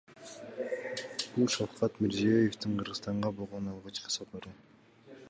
Бул Шавкат Мирзиёевдин Кыргызстанга болгон алгачкы сапары.